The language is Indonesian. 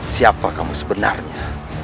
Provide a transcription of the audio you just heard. siapa kamu sebenarnya